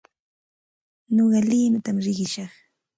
Nuqa limatam riqishaq.